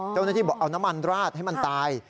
เจ้าหน้าที่บอกเอาน้ำมันราดให้มันตาย